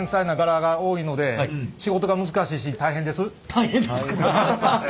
大変ですか。